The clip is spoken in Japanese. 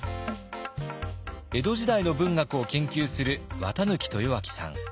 江戸時代の文学を研究する綿抜豊昭さん。